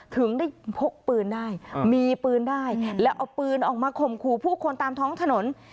ถึงได้พกปืนได้มีปืนได้แล้วเอาปืนออกมาข่มขู่ผู้คนตามท้องถนน